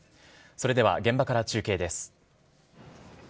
それでは現場から中継です。